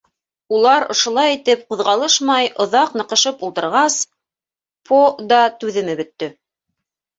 Улар ошолай итеп ҡуҙғалышмай оҙаҡ ныҡышып ултырғас, по- да түҙеме бөттө.